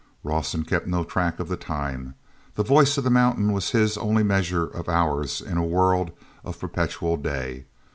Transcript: Rawson kept no track of the time. The voice of the mountain was his only measure of hours in a world of perpetual day.